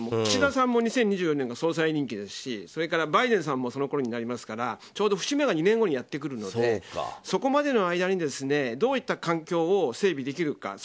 岸田さんも２０２４年が総裁任期ですしそれからバイデンさんもそのころになりますからちょうど節目が２年後にやってくるのでそこまでの間にどういった環境を整備できるか。